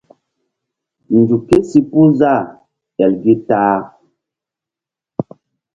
Nzuk kési puh zah el gi ta-a.